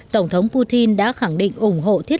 tổng thống putin đã khẳng định ủng hộ